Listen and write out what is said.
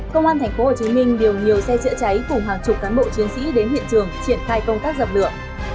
công an tp hcm điều nhiều xe chữa cháy cùng hàng chục cán bộ chiến sĩ đến hiện trường triển khai công tác dập lửa